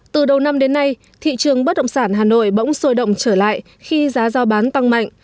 từ đầu năm đến nay thị trường bất động sản hà nội bỗng sôi động trở lại khi giá giao bán tăng mạnh